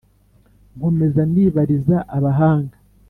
nkomeza nibariza abahanga,